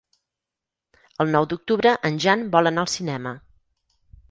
El nou d'octubre en Jan vol anar al cinema.